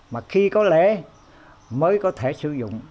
mà khi có lễ mới có thể sử dụng